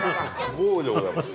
豪雨でございます。